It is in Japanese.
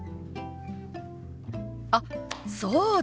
あっそうだ！